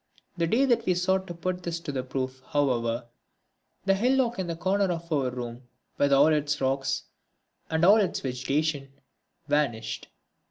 The day that we sought to put this to the proof, however, the hillock in the corner of our room, with all its rocks, and all its vegetation, vanished.